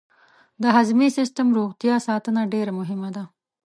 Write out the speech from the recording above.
د هضمي سیستم روغتیا ساتنه ډېره مهمه ده.